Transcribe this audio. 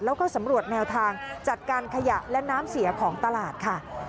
แล้วก็สำรวจแนวทางจัดการขยะและน้ำเสียของตลาดค่ะ